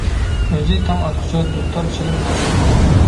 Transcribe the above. ئۆزى تاڭ ئاتقۇچە دۇتار چېلىپ ناخشا ئوقۇدى.